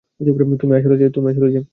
তুমি আসলে যে?